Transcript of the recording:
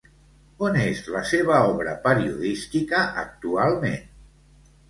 On és la seva obra periodística actualment?